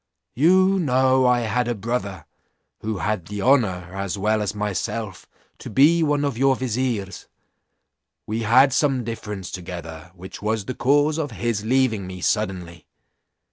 You know I had a brother, who had the honour, as well as myself, to be one of your viziers: we had some difference together, which was the cause of his leaving me suddenly.